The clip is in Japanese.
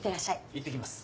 いってきます。